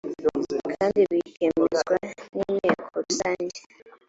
kandi bikemezwa n’inteko rusange